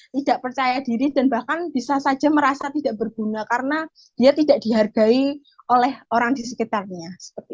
tidak percaya diri dan bahkan bisa saja merasa tidak berguna karena dia tidak dihargai oleh orang di sekitarnya